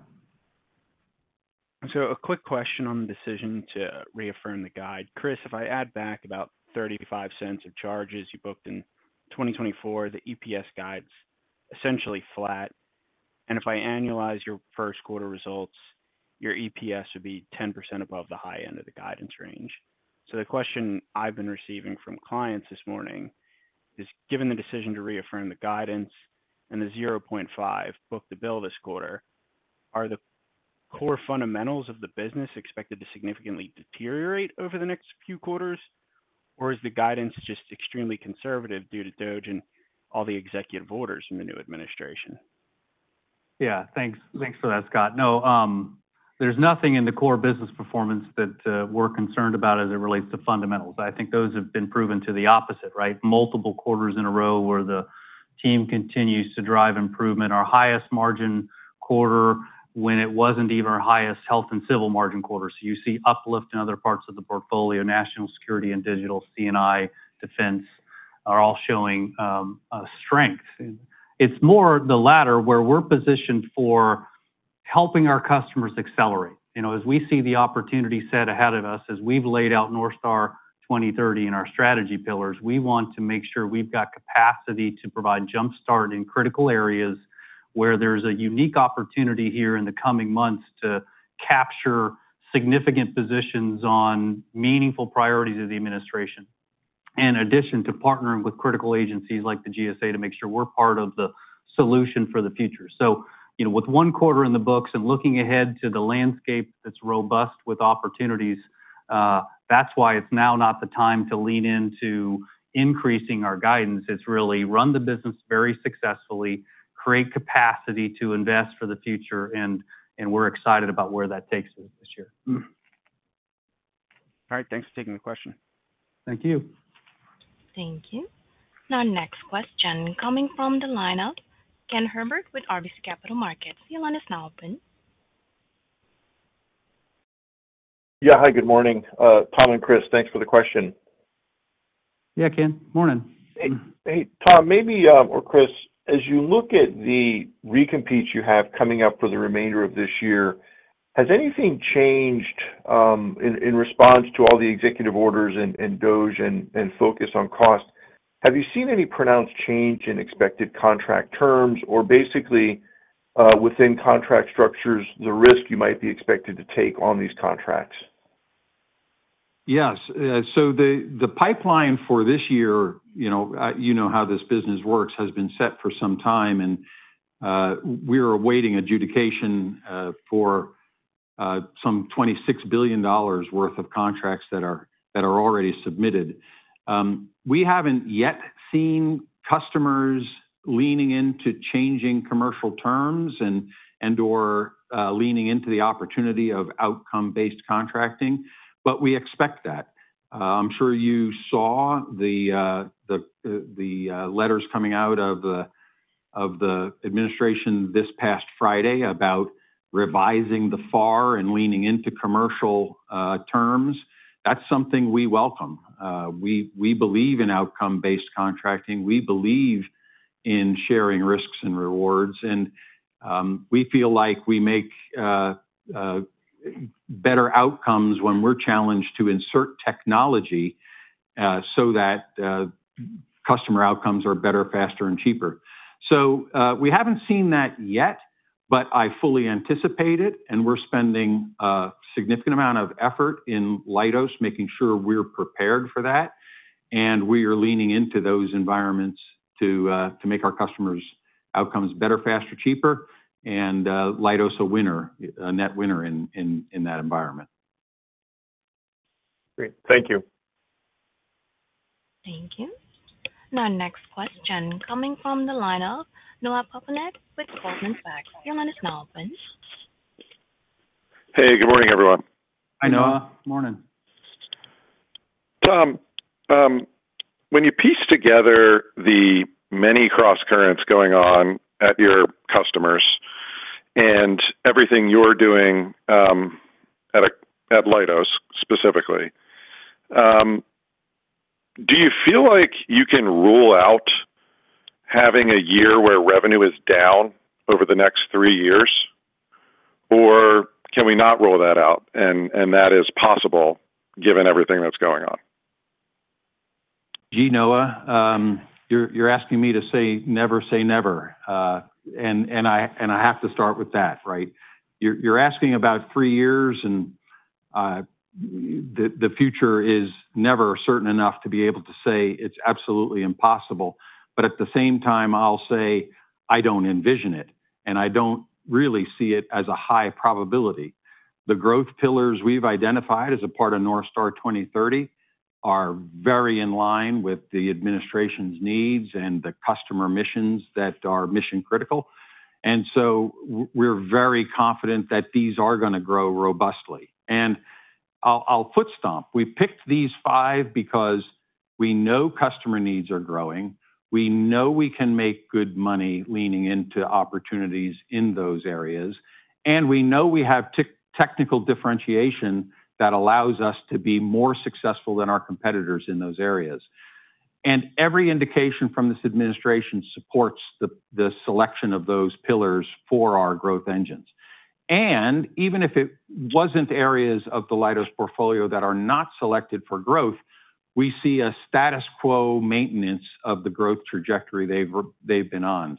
A quick question on the decision to reaffirm the guide. Chris, if I add back about $0.35 of charges you booked in 2024, the EPS guide is essentially flat. If I annualize your first quarter results, your EPS would be 10% above the high end of the guidance range. The question I've been receiving from clients this morning is, given the decision to reaffirm the guidance and the 0.5 booked to bill this quarter, are the core fundamentals of the business expected to significantly deteriorate over the next few quarters, or is the guidance just extremely conservative due to DOGE and all the executive orders in the new administration? Yeah. Thanks for that, Scott. No, there's nothing in the core business performance that we're concerned about as it relates to fundamentals. I think those have been proven to the opposite, right? Multiple quarters in a row where the team continues to drive improvement. Our highest margin quarter when it wasn't even our highest health and civil margin quarter. You see uplift in other parts of the portfolio. National security and digital, CNI, defense are all showing strength. It's more the latter where we're positioned for helping our customers accelerate. As we see the opportunity set ahead of us, as we've laid out NorthStar 2030 in our strategy pillars, we want to make sure we've got capacity to provide jumpstart in critical areas where there's a unique opportunity here in the coming months to capture significant positions on meaningful priorities of the administration, in addition to partnering with critical agencies like the GSA to make sure we're part of the solution for the future. With one quarter in the books and looking ahead to the landscape that's robust with opportunities, that's why it's now not the time to lean into increasing our guidance. It's really run the business very successfully, create capacity to invest for the future, and we're excited about where that takes us this year. All right. Thanks for taking the question. Thank you. Thank you. Now, next question coming from the line of Ken Herbert with RBC Capital Markets. Your line is now open. Yeah. Hi, good morning. Tom and Chris, thanks for the question. Yeah, Ken. Morning. Hey, Tom, maybe or Chris, as you look at the recompetes you have coming up for the remainder of this year, has anything changed in response to all the executive orders and DOGE and focus on cost? Have you seen any pronounced change in expected contract terms or basically within contract structures, the risk you might be expected to take on these contracts? Yes. The pipeline for this year, you know how this business works, has been set for some time. We're awaiting adjudication for some $26 billion worth of contracts that are already submitted. We haven't yet seen customers leaning into changing commercial terms and/or leaning into the opportunity of outcome-based contracting, but we expect that. I'm sure you saw the letters coming out of the administration this past Friday about revising the FAR and leaning into commercial terms. That's something we welcome. We believe in outcome-based contracting. We believe in sharing risks and rewards. We feel like we make better outcomes when we're challenged to insert technology so that customer outcomes are better, faster, and cheaper. We haven't seen that yet, but I fully anticipate it. We are spending a significant amount of effort in Leidos making sure we're prepared for that. We are leaning into those environments to make our customers' outcomes better, faster, cheaper. Leidos a winner, a net winner in that environment. Great. Thank you. Thank you. Now, next question coming from the line of Noah Poponak with Goldman Sachs. Your line is now open. Hey, good morning, everyone. Hi, Noah. Morning. Tom, when you piece together the many cross currents going on at your customers and everything you're doing at Leidos specifically, do you feel like you can rule out having a year where revenue is down over the next three years, or can we not rule that out? That is possible given everything that's going on. Gee, Noah, you're asking me to say never say never. I have to start with that, right? You're asking about three years, and the future is never certain enough to be able to say it's absolutely impossible. At the same time, I'll say I don't envision it, and I don't really see it as a high probability. The growth pillars we've identified as a part of NorthStar 2030 are very in line with the administration's needs and the customer missions that are mission-critical. We're very confident that these are going to grow robustly. I'll foot stomp, we picked these five because we know customer needs are growing. We know we can make good money leaning into opportunities in those areas. We know we have technical differentiation that allows us to be more successful than our competitors in those areas. Every indication from this administration supports the selection of those pillars for our growth engines. Even if it wasn't areas of the Leidos portfolio that are not selected for growth, we see a status quo maintenance of the growth trajectory they've been on.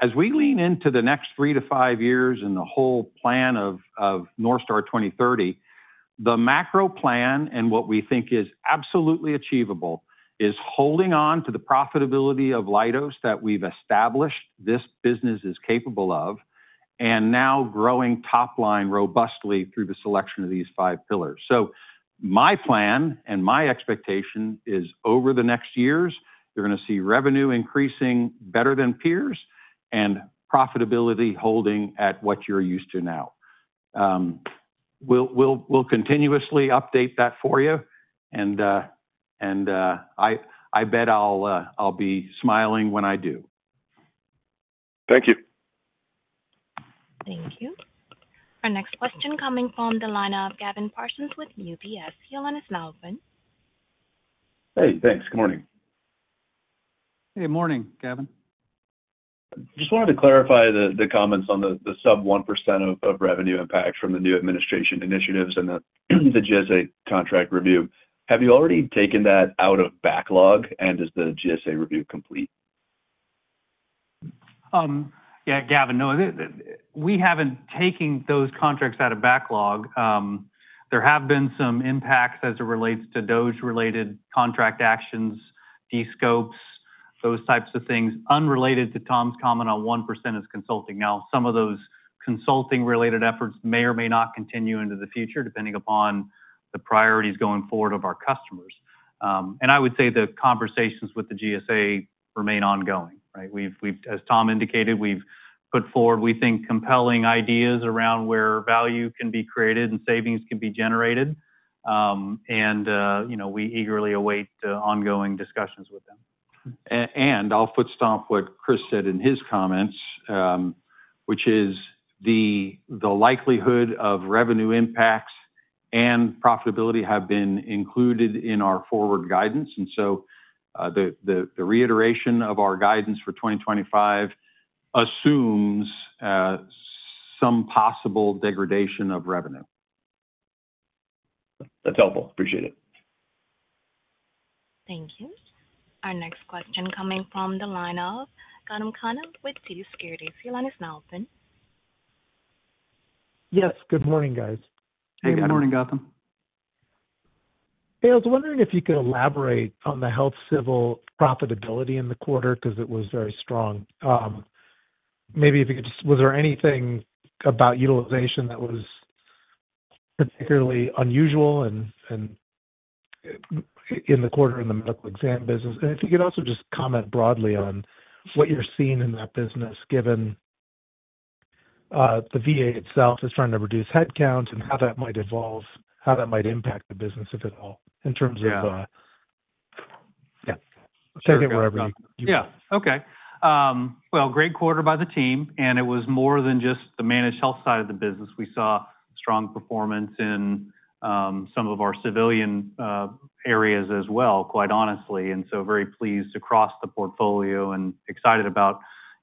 As we lean into the next three to five years and the whole plan of NorthStar 2030, the macro plan and what we think is absolutely achievable is holding on to the profitability of Leidos that we've established this business is capable of and now growing top line robustly through the selection of these five pillars. My plan and my expectation is over the next years, you're going to see revenue increasing better than peers and profitability holding at what you're used to now. We'll continuously update that for you. I bet I'll be smiling when I do. Thank you. Thank you. Our next question coming from the line of Gavin Parsons with UBS. Your line is now open. Hey, thanks. Good morning. Hey, morning, Gavin. Just wanted to clarify the comments on the sub 1% of revenue impact from the new administration initiatives and the GSA contract review. Have you already taken that out of backlog, and is the GSA review complete? Yeah, Gavin, no, we haven't taken those contracts out of backlog. There have been some impacts as it relates to DOGE-related contract actions, de-Scopes, those types of things unrelated to Tom's comment on 1% as consulting. Now, some of those consulting-related efforts may or may not continue into the future depending upon the priorities going forward of our customers. I would say the conversations with the GSA remain ongoing, right? As Tom indicated, we've put forward, we think, compelling ideas around where value can be created and savings can be generated. We eagerly await ongoing discussions with them. I'll foot stomp what Chris said in his comments, which is the likelihood of revenue impacts and profitability have been included in our forward guidance. The reiteration of our guidance for 2025 assumes some possible degradation of revenue. That's helpful. Appreciate it. Thank you. Our next question coming from the line of Gautam Khanna with TD Securities. Your line is now open. Yes. Good morning, guys. Hey, Gautam. Hey, good morning, Gautam. Hey, I was wondering if you could elaborate on the health civil profitability in the quarter because it was very strong. Maybe if you could just, was there anything about utilization that was particularly unusual in the quarter in the medical exam business? If you could also just comment broadly on what you're seeing in that business, given the VA itself is trying to reduce headcount and how that might evolve, how that might impact the business, if at all, in terms of, yeah, take it wherever you want. Yeah. Great quarter by the team. It was more than just the managed health side of the business. We saw strong performance in some of our civilian areas as well, quite honestly. I am very pleased across the portfolio and excited about,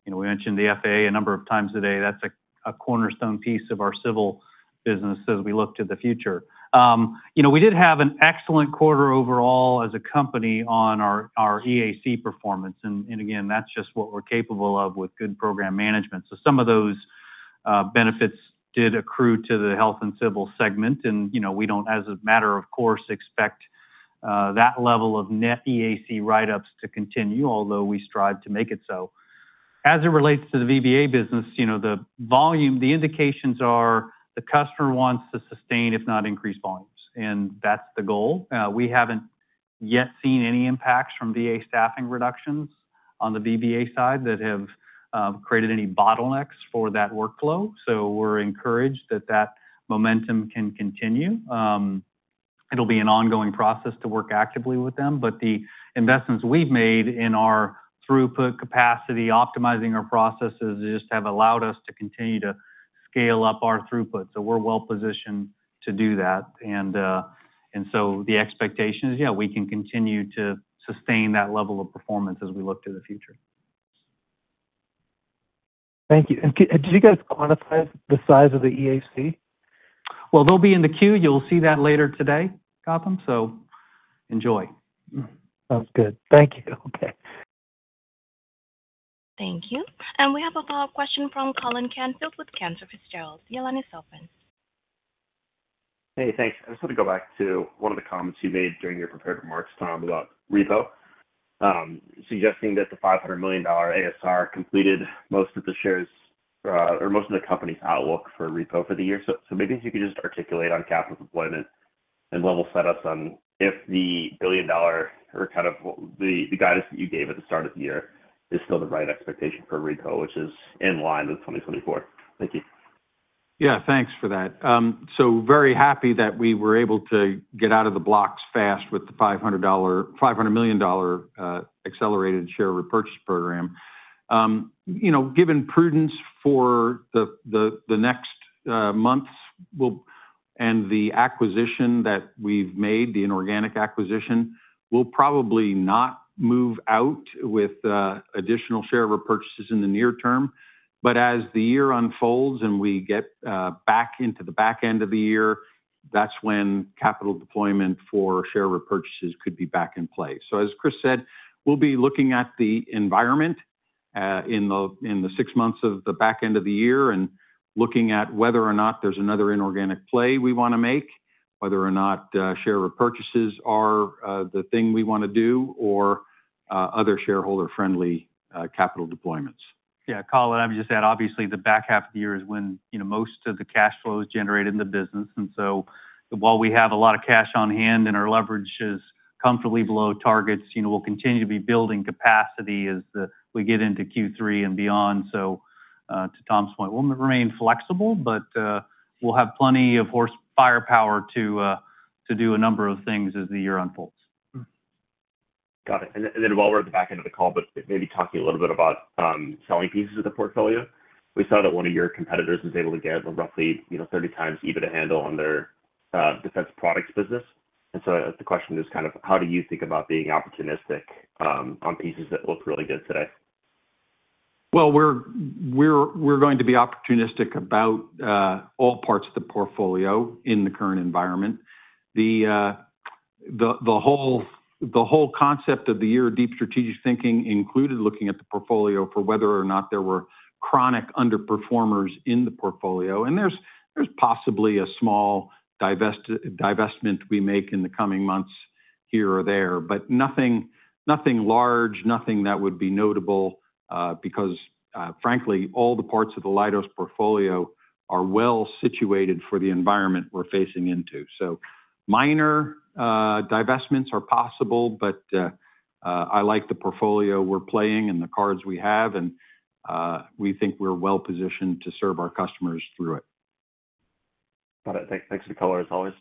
we mentioned the FAA a number of times today. That is a cornerstone piece of our civil business as we look to the future. We did have an excellent quarter overall as a company on our EAC performance. Again, that is just what we're capable of with good program management. Some of those benefits did accrue to the health and civil segment. We do not, as a matter of course, expect that level of net EAC write-ups to continue, although we strive to make it so. As it relates to the VBA business, the volume, the indications are the customer wants to sustain, if not increase, volumes. That is the goal. We have not yet seen any impacts from VA staffing reductions on the VBA side that have created any bottlenecks for that workflow. We are encouraged that that momentum can continue. It will be an ongoing process to work actively with them. The investments we have made in our throughput capacity, optimizing our processes, just have allowed us to continue to scale up our throughput. We are well positioned to do that. The expectation is, yeah, we can continue to sustain that level of performance as we look to the future. Thank you. Did you guys quantify the size of the EAC? They'll be in the queue. You'll see that later today, Gautam. So enjoy. Sounds good. Thank you. Thank you. We have a follow-up question from Colin Canfield with Cantor Fitzgerald. Your line is open. Hey, thanks. I just want to go back to one of the comments you made during your prepared remarks, Tom, about repo, suggesting that the $500 million ASR completed most of the shares or most of the company's outlook for repo for the year. Maybe if you could just articulate on capital deployment and level setups on if the billion-dollar or kind of the guidance that you gave at the start of the year is still the right expectation for repo, which is in line with 2024. Thank you. Yeah, thanks for that. Very happy that we were able to get out of the blocks fast with the $500 million accelerated share repurchase program. Given prudence for the next months and the acquisition that we've made, the inorganic acquisition, we'll probably not move out with additional share repurchases in the near term. As the year unfolds and we get back into the back end of the year, that's when capital deployment for share repurchases could be back in play. As Chris said, we'll be looking at the environment in the six months of the back end of the year and looking at whether or not there's another inorganic play we want to make, whether or not share repurchases are the thing we want to do or other shareholder-friendly capital deployments. Yeah. Colin, I'm just saying, obviously, the back half of the year is when most of the cash flow is generated in the business. While we have a lot of cash on hand and our leverage is comfortably below targets, we'll continue to be building capacity as we get into Q3 and beyond. To Tom's point, we'll remain flexible, but we'll have plenty of horsepower to do a number of things as the year unfolds. Got it. While we're at the back end of the call, maybe talking a little bit about selling pieces of the portfolio, we saw that one of your competitors was able to get roughly 30 times EBITDA on their defense products business. The question is kind of how do you think about being opportunistic on pieces that look really good today? We're going to be opportunistic about all parts of the portfolio in the current environment. The whole concept of the year of deep strategic thinking included looking at the portfolio for whether or not there were chronic underperformers in the portfolio. There's possibly a small divestment we make in the coming months here or there, but nothing large, nothing that would be notable because, frankly, all the parts of the Leidos portfolio are well situated for the environment we're facing into. Minor divestments are possible, but I like the portfolio we're playing and the cards we have. We think we're well positioned to serve our customers through it. Got it. Thanks for the color, as always.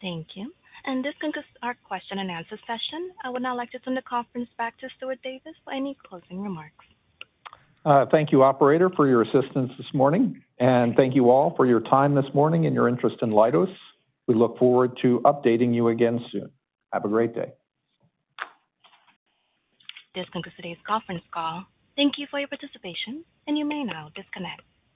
Thank you. This concludes our question and answer session. I would now like to turn the conference back to Stuart Davis for any closing remarks. Thank you, operator, for your assistance this morning. Thank you all for your time this morning and your interest in Leidos. We look forward to updating you again soon. Have a great day. This concludes today's conference call. Thank you for your participation. You may now disconnect.